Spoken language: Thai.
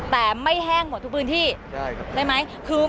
แต่ไม่แห้งหมดทุกบืนที่ใช่ครับ